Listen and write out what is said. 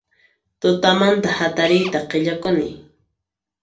Tutamanta hatariyta qillakuni